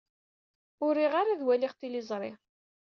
Ur riɣ ara ad waliɣ tiliẓri.